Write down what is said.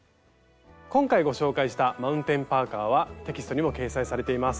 今回ご紹介したマウンテンパーカーはテキストにも掲載されています。